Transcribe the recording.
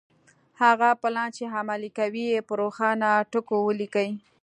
هغه پلان چې عملي کوئ يې په روښانه ټکو وليکئ.